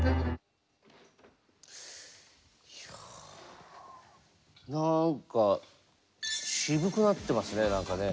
いやなんか渋くなってますね何かね。